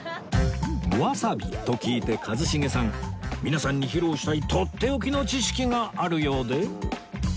わさびと聞いて一茂さん皆さんに披露したいとっておきの知識があるようで